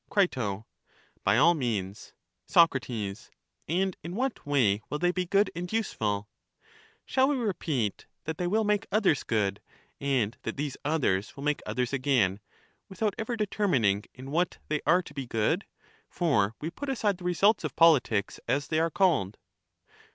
Cri. By all means. Soc. And in what way will they be good and use 252 EUTHYDEMUS fill? Shall we repeat that they will make others good, and that these others will make others again, without ever determining in what they are to be good; for we put aside the results of politics, as they are called.